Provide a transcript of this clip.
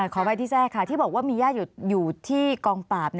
ขออภัยที่แทรกค่ะที่บอกว่ามีญาติอยู่ที่กองปราบ